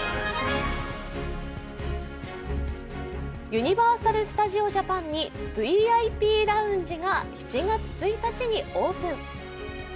ユニバーサル・スタジオ・ジャパンにＶＩＰラウンジが７月１日にオープン。